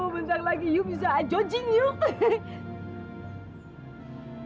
bentar lagi bisa i judging yuk